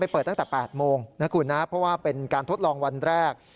เพราะว่าเป็นการทดลองวันแรก